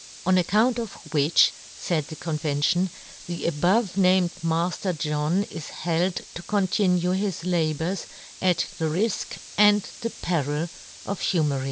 " On account of which," faid the convention, " the above " named Mafter John is held to " continue his labours at the rilk and " the peril of Humery."